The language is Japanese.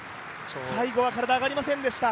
最後は体、上がりませんでした。